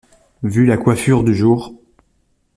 Vu la coiffure du jour.